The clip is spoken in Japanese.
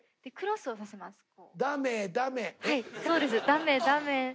ダメダメえ？